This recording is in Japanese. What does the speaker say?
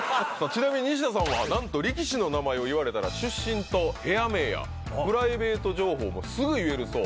ちなみに西田さんはなんと力士の名前を言われたら出身と部屋名やプライベート情報もすぐ言えるそうだと。